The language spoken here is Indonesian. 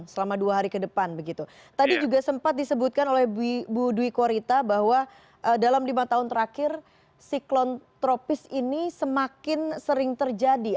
selama dua hari ke depan begitu tadi juga sempat disebutkan oleh bu dwi korita bahwa dalam lima tahun terakhir siklon tropis ini semakin sering terjadi